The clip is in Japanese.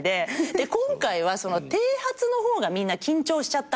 今回は剃髪の方がみんな緊張しちゃったから。